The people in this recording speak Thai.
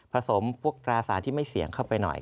สมพวกตราสารที่ไม่เสี่ยงเข้าไปหน่อย